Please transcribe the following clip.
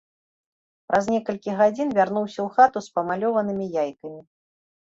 Праз некалькі гадзін вярнуўся ў хату з памалёванымі яйкамі.